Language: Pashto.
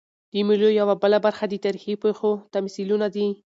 د مېلو یوه بله برخه د تاریخي پېښو تمثیلونه دي.